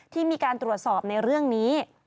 ที่มีการตรวจสอบในเรื่องนี้